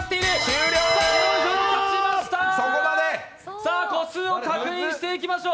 さあ個数を確認していきましょう。